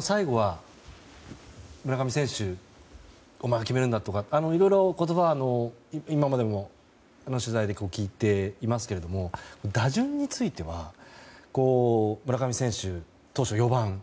最後は、村上選手お前が決めるんだとかいろいろな言葉を今までも取材で聞いていますが打順については村上選手、当初は４番。